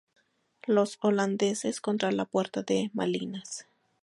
Los holandeses contra la puerta de Malinas.